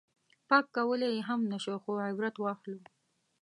پاک کولی یې هم نه شو خو عبرت واخلو.